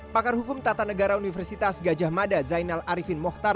pakar hukum tata negara universitas gajah mada zainal arifin mohtar